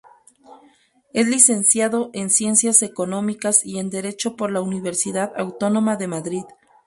Es licenciado en Ciencias Económicas y en Derecho por la Universidad Autónoma de Madrid.